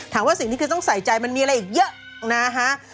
ถามว่าสิ่งที่คริสต์ต้องใส่ใจมันมีอะไรอีกเยอะนะฮะ